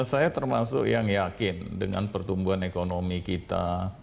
saya termasuk yang yakin dengan pertumbuhan ekonomi kita